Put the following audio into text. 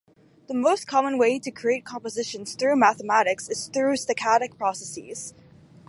The most common way to create compositions through mathematics is stochastic processes.